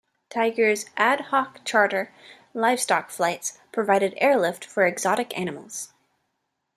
Tiger's Ad Hoc Charter livestock flights provided airlift for exotic animals.